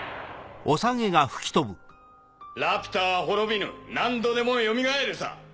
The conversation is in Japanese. ラピュタは亡びぬ何度でもよみがえるさ。